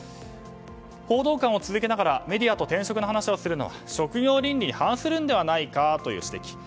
報道官を続けながらメディアと転職の話をするのは職業倫理に反するのではないかという指摘。